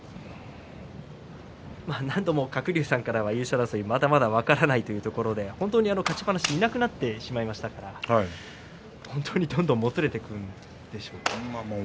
何度も鶴竜さんからは優勝争いまだ分からないということですが勝ちっぱなしがいなくなってしまったからどんどんもつれてくるんでしょうかね。